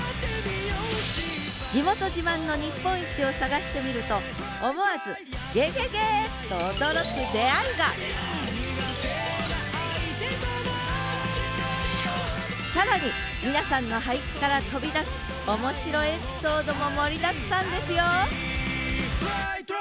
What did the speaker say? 地元自慢の日本一を探してみると思わず「ゲゲゲ！」っと驚く出会いが更に皆さんの俳句から飛び出す面白エピソードも盛りだくさんですよ！